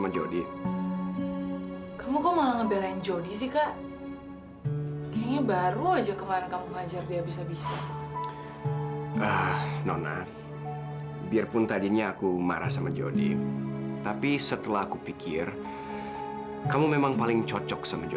jody dan winona romeo and juliet tahun dua ribu sepuluh